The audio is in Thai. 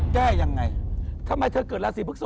แก้ยังไง